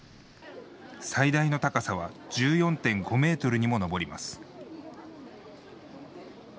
最大の高さは１４．５メートルにも上ります。